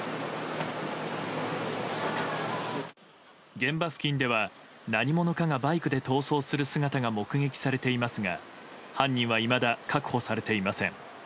現場付近では、何者かがバイクで逃走する姿が目撃されていますが犯人はいまだ確保されていません。